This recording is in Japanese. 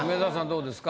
どうですか？